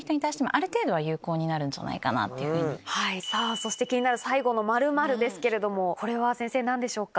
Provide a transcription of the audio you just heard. そして気になる最後ですけどこれは先生何でしょうか？